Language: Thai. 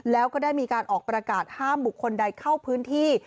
แล้วก็ได้มีการออกประกาศห้ามบุคคลใดเข้าพื้นที่